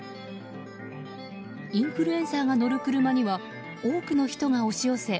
インフルエンサーが乗る車には多くの人が押し寄せ